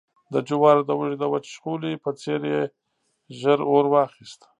د جوارو د وږي د وچ شخولي په څېر يې ژر اور واخیست